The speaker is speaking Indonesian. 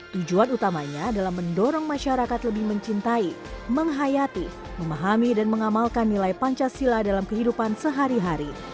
tujuan utamanya adalah mendorong masyarakat lebih mencintai menghayati memahami dan mengamalkan nilai pancasila dalam kehidupan sehari hari